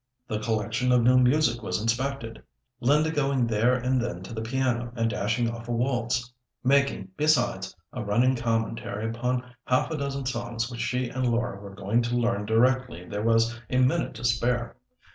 The collection of new music was inspected, Linda going there and then to the piano and dashing off a waltz; making, besides, a running commentary upon half a dozen songs which she and Laura were going to learn directly there was a minute to spare.